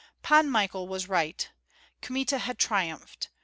Pan Michael was right. Kmita had triumphed.